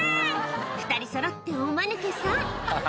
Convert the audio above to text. ２人そろっておマヌケさん